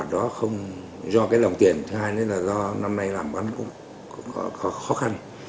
đó không do cái lòng tiền thứ hai nữa là do năm nay làm bán cũng có khó khăn